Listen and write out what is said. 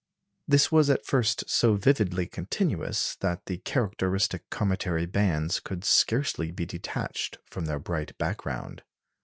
This was at first so vividly continuous, that the characteristic cometary bands could scarcely be detached from their bright background.